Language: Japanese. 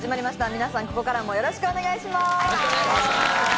皆さんここからもよろしくお願いします。